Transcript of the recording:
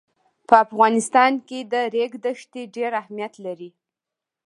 په افغانستان کې د ریګ دښتې ډېر اهمیت لري.